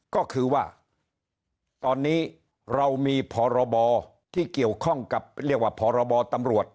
ก็คือว่าตอนนี้เรามีพรบที่เกี่ยวข้องกับเรียกว่าพรบตำรวจ